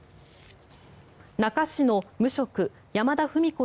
那珂市の無職山田史子